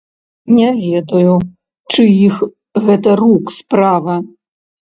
Не ведаю чыіх гэта рук справа.